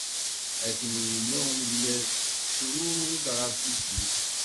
Akken i yenna umedyaz: Seg ucrured ɣer tikli.